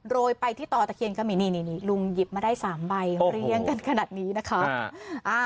โรยไปที่ต่อตะเคียนก็มีนี่ลุงหยิบมาได้๓ใบเรียงกันขนาดนี้นะคะ